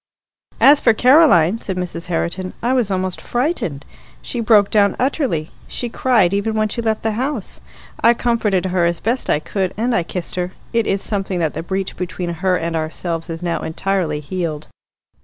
"As for Caroline," said Mrs. Herriton, "I was almost frightened. She broke down utterly. She cried even when she left the house. I comforted her as best I could, and I kissed her. It is something that the breach between her and ourselves is now entirely healed."